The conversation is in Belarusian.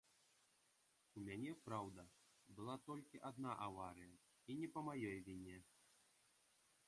У мяне, праўда, была толькі адна аварыя і не па маёй віне.